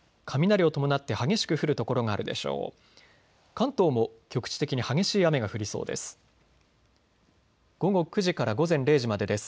関東も局地的に激しい雨が降りそうです。